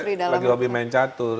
istri saya lagi lebih main catur